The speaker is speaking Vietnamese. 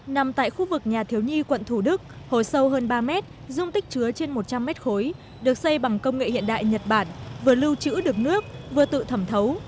nằm tại khu vực nhà thiếu nhi quận thủ đức hồ sâu hơn ba mét dung tích chứa trên một trăm linh mét khối được xây bằng công nghệ hiện đại nhật bản vừa lưu trữ được nước vừa tự thẩm thấu